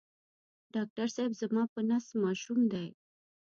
ډاکټر صېب زما په نس ماشوم دی